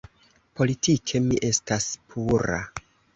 Politike mi estas pura.